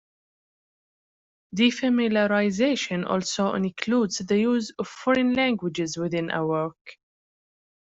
Defamiliarization also includes the use of foreign languages within a work.